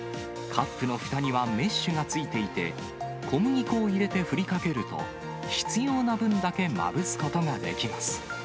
カップのふたにはメッシュがついていて、小麦粉を入れて振りかけると、必要な分だけまぶすことができます。